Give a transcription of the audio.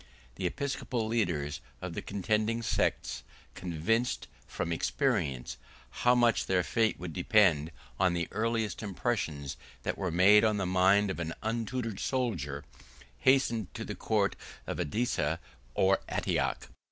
The episcopal leaders of the contending sects, convinced, from experience, how much their fate would depend on the earliest impressions that were made on the mind of an untutored soldier, hastened to the court of Edessa, or Antioch.